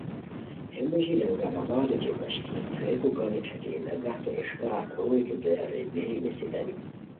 ہے موژی لنگرآباد او چے وشلی تھوویکو کاڑی ݯاکئے نگہ کیہ اِݰکار روئیتو دوئے رے بیری نیسیتانی